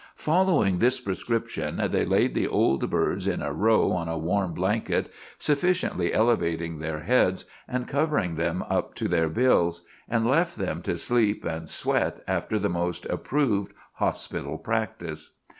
Following this prescription they laid the old birds in a row on a warm blanket, sufficiently elevating their heads, and covering them up to their bills, and left them to sleep and sweat after the most approved hospital practice.